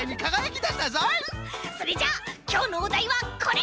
それじゃきょうのおだいはこれ！